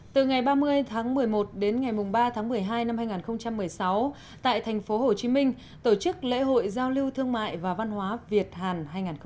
từ ngày ba mươi tháng một mươi một đến ngày ba tháng một mươi hai năm hai nghìn một mươi sáu tại thành phố hồ chí minh tổ chức lễ hội giao lưu thương mại và văn hóa việt hàn hai nghìn một mươi sáu